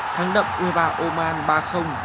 thắng đậm u hai mươi ba oman ba